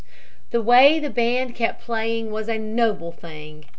"The way the band kept playing was a noble thing.